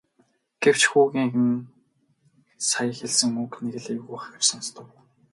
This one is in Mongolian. Гэвч хүүгийн нь сая хэлсэн үг нэг л эвгүй хахир сонстов.